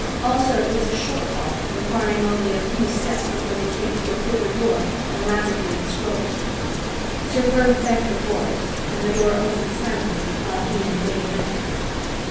Also, it was a short hall, requiring only a few steps before they came to a bigger door, elaborately enscrolled. Ser Perth bent before it, and the door opened silently while he and Dave entered.